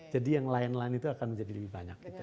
jadi yang lain lain itu akan menjadi lebih banyak